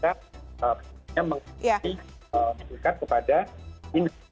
kita bisa menggandakan diri kepada industri